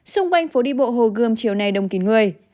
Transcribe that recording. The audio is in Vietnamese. xung quanh phố đi bộ hồ gươm chiều nay đông kín người